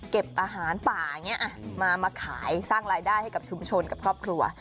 เก็บอาหารป่ามาขายสร้างรายได้ให้ชุมชนกับครอบครัว